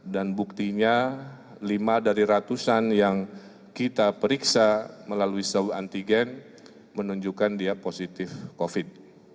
dan buktinya lima dari ratusan yang kita periksa melalui swab antigen menunjukkan dia positif covid